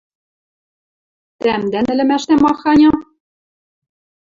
Тӓмдӓн ӹлӹмӓшдӓ маханьы?